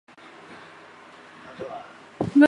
她还是第十二届上海市人大代表。